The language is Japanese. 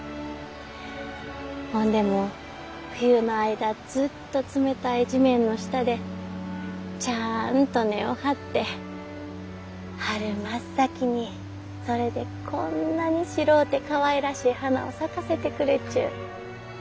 ほんでも冬の間ずっと冷たい地面の下でちゃあんと根を張って春真っ先にそれでこんなに白うてかわいらしい花を咲かせてくれちゅう。